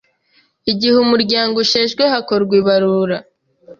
Igihe umuryango usheshwe hakorwa ibarura